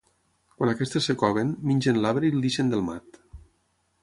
Quan aquestes es coven, mengen l'arbre i el deixen delmat.